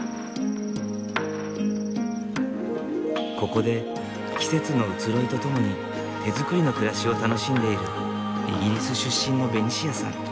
ここで季節の移ろいとともに手づくりの暮らしを楽しんでいるイギリス出身のベニシアさん。